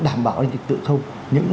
đảm bảo về dịch tự không những